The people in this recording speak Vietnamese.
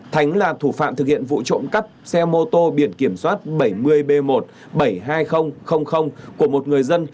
thánh là thủ phạm thực hiện vụ trộn cấp xe mô tô biển kiểm soát bảy mươi b một bảy nghìn hai trăm linh của một người dân